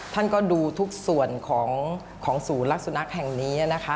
ท่านก็ดูทุกส่วนของศูนรักษณะแห่งนี้